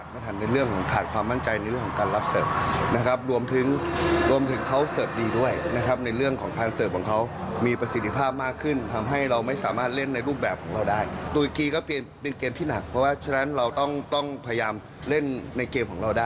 เพราะว่าเรื่องของการรับเสิร์ฟนะครับ